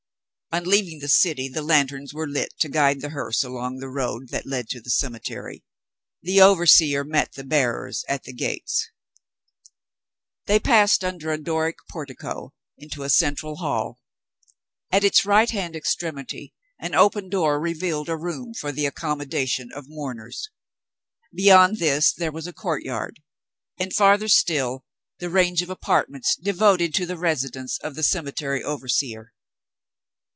On leaving the city, the lanterns were lit to guide the hearse along the road that led to the cemetery. The overseer met the bearers at the gates. They passed, under a Doric portico, into a central hall. At its right hand extremity, an open door revealed a room for the accommodation of mourners. Beyond this there was a courtyard; and, farther still, the range of apartments devoted to the residence of the cemetery overseer.